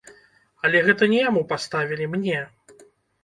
Але гэта не яму паставілі, мне.